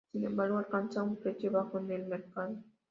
Sin embargo, alcanza un precio bajo en el mercado.